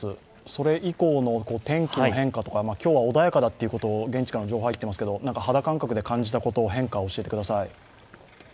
それ以降の天気の変化とか、今日は穏やかだと現地から情報が入っていますけれども、肌感覚で感じたこと、変化を教えてください。